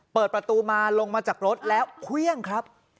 เปิดประตูมาลงมาจากรถแล้วเครื่องครับ